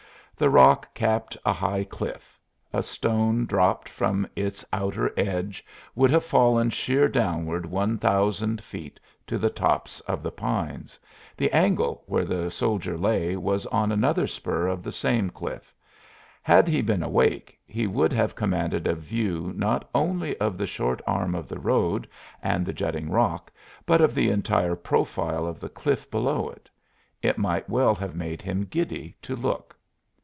The rock capped a high cliff; a stone dropped from its outer edge would have fallen sheer downward one thousand feet to the tops of the pines. The angle where the soldier lay was on another spur of the same cliff. Had he been awake he would have commanded a view, not only of the short arm of the road and the jutting rock, but of the entire profile of the cliff below it. It might well have made him giddy to look.